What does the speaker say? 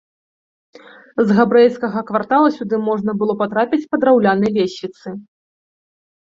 З габрэйскага квартала сюды можна было патрапіць па драўлянай лесвіцы.